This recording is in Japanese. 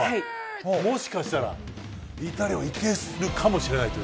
もしかしたらイタリアにいけるかもしれないという。